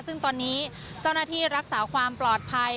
ซึ่งตอนนี้เจ้าหน้าที่รักษาความปลอดภัย